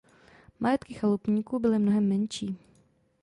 Majetky chalupníků byly mnohem menší.